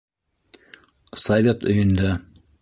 Совет өйөндә